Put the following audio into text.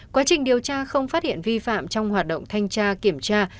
quá trình điều tra không phát hiện vi phạm trong hoạt động thanh tra kiểm tra